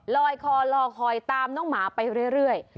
ลอยคอรอคอยตามน้องหมาไปเรื่อย